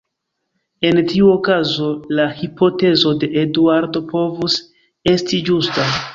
En tiu okazo la hipotezo de Eduardo povus esti ĝusta.